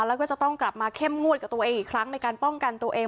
แล้วก็จะต้องกลับมาเข้มงวดกับตัวเองอีกครั้งในการป้องกันตัวเอง